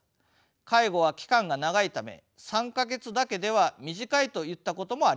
介護は期間が長いため３か月だけでは短いといったこともあります。